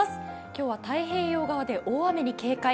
今日は太平洋側で大雨に警戒。